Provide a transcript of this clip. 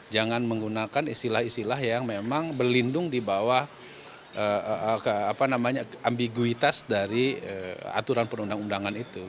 jangan menggunakan istilah istilah yang memang berlindung di bawah ambiguitas dari aturan perundang undangan itu